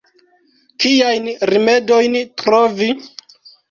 Kiajn rimedojn trovi?